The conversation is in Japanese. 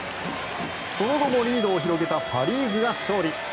その後もリードを広げたパ・リーグが勝利。